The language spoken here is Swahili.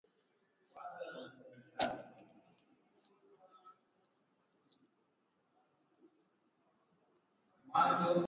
Polisi wa Zimbabwe, mwishoni mwa wiki ,walikizuia chama kikuu cha upinzani nchini humo kufanya mikutano kabla ya uchaguzi wa machi ishirini na sita